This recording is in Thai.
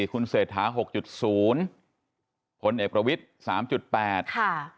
คุณเศรษฐาหกจุดศูนย์พลเอกประวิทย์สามจุดแปดค่ะ